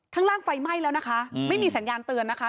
ข้างล่างไฟไหม้แล้วนะคะไม่มีสัญญาณเตือนนะคะ